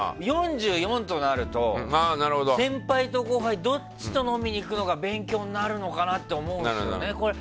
４４歳となると先輩と後輩どっちと飲みに行くのが勉強になるのかなって思うんですよね。